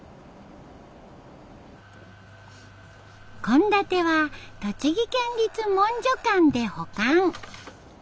献立は栃木県立文書館で保管。